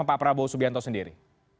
pak prabowo subianto sendiri